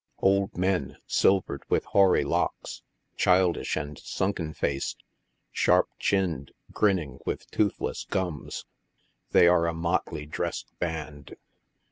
Old men, silvered with hoary locks, childish and sunken faced, sharp chinned, grinning wilh toothless gums. They arc a motley dressed band.